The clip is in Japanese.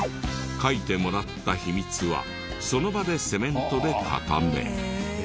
書いてもらった秘密はその場でセメントで固め。